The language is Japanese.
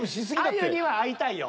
あゆには会いたいよ。